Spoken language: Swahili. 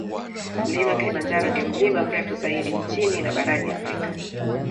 Mlima Kilimanjaro ndiyo mlima mrefu zaidi nchini na barani Afrika